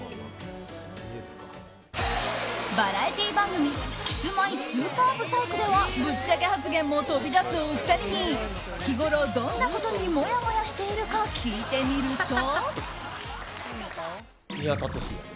バラエティー番組「キスマイ超ＢＵＳＡＩＫＵ！？」ではぶっちゃけ発言も飛び出すお二人に日ごろ、どんなことにもやもやしているか聞いてみると。